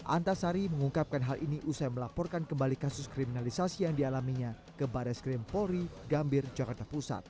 antasari mengungkapkan hal ini usai melaporkan kembali kasus kriminalisasi yang dialaminya ke baris krim polri gambir jakarta pusat